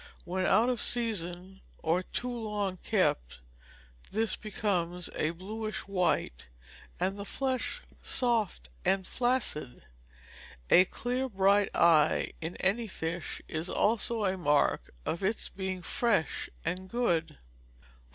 When out of season, or too long kept, this becomes a bluish white, and the flesh soft and flaccid. A clear bright eye in any fish is also a mark of its being fresh and good.